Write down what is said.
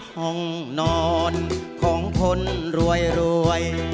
ห้องนอนของคนรวย